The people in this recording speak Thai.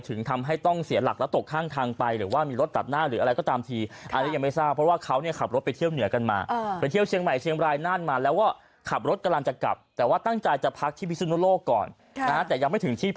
ถึงทำให้ต้องเสียหลักแล้วตกข้างทางไปหรือว่ามีรถตัดหน้าหรืออะไรก็ตามที